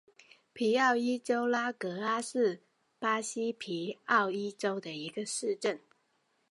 皮奥伊州拉戈阿是巴西皮奥伊州的一个市镇。